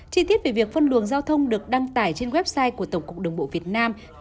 chi tiết về việc phân luồng giao thông được đăng tải trên website của tổng cục đường bộ việt nam